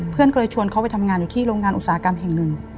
เพื่อนเคยชวนเขาไปทำงานอยู่ที่โรงงานอุตสาหกรรมแห่งหนึ่ง